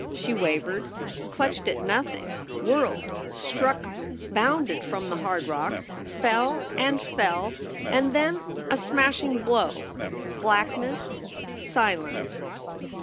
She wavered, clutched at nothing, whirled, struck, bounded from the hard rock, fell and fell, and then a smashing blow, blackness, silence.